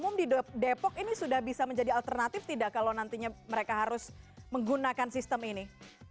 umum di depok ini sudah bisa menjadi alternatif tidak kalau nantinya mereka harus menggunakan sistem ini